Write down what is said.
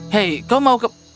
hei kau mau ke